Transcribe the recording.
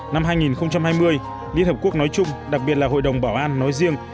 năm hai nghìn hai mươi liên hợp quốc nói chung đặc biệt là hội đồng bảo an nói riêng